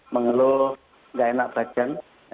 mengeluh gak enak bajan